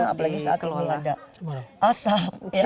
iya rawa dan sebagainya apalagi saat ini ada asap